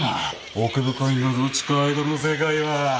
奥深いんだぞ地下アイドルの世界は。